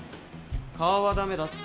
顔は駄目だって。